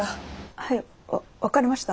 はいわ分かりました。